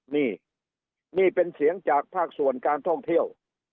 นี่นี่เป็นเสียงจากภาคส่วนการท่องเที่ยว